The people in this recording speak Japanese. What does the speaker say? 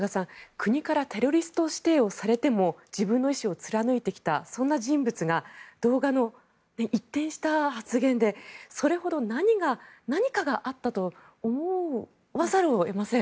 国からテロリスト指定をされても自分の意思を貫いてきたそんな人物が動画の一転した発言でそれほど、何かがあったと思わざるを得ません。